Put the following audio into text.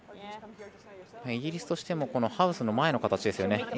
イギリスとしてもハウスの前の形ですよね。